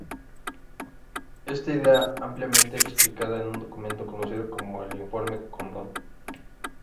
Esta idea fue ampliamente explicada en un documento conocido como el Informe Condon.